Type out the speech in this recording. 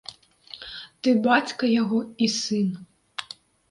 Ты бацька яго і сын.